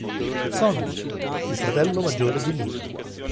Sonny: Il fratello maggiore di Linn.